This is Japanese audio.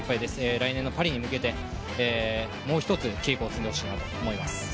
来年のパリに向けてもう一つ稽古を積んでほしいなと思います